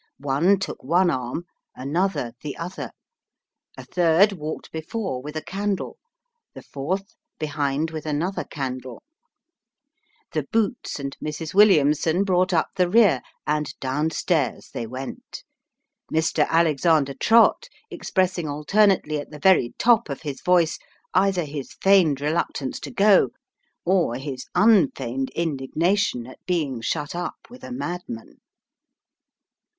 One took one arm ; another, the other ; a third, walked before with a candle ; the fourth, behind with another candle ; the boots and Mrs. Williamson brought up the rear; and down stairs they went: Mr. Alexander Trott expressing alternately at the very top of his voice Off to Gretna Green. 317 either his feigned reluctance to go, or his unfeigned indignation at being shut up with a madman.